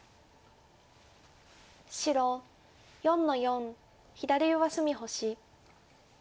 白４の四左上隅星。